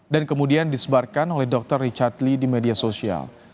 dan kemudian disebarkan oleh dr richard lee di media sosial